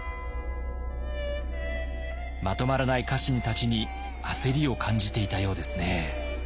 まとまらない家臣たちに焦りを感じていたようですね。